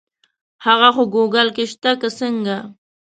هغه خو ګوګل کې شته که څنګه.